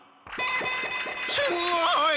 すごい！